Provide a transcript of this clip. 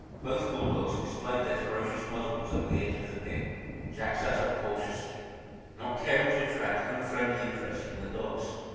Both bull dogs displayed their ferocious muzzles over the edge of the pit. Jack sat up cautiously, not caring to attract unfriendly interest from the dogs.